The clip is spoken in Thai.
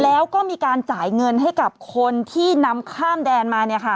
แล้วก็มีการจ่ายเงินให้กับคนที่นำข้ามแดนมา